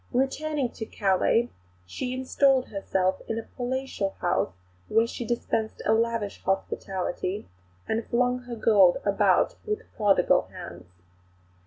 Returning to Calais she installed herself in a palatial house where she dispensed a lavish hospitality, and flung her gold about with prodigal hands.